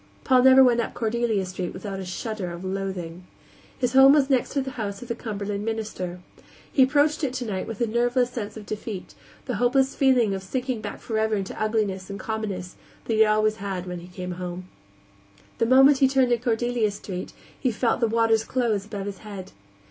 Paul never went up Cordelia Street without a shudder of loathing. His home was next to the house of the Cumberland minister. He approached it tonight with the nerveless sense of defeat, the hopeless feeling of sinking back forever into ugliness and commonness that he had always had when he came home. The moment he turned into Cordelia Street he felt the waters close above his head.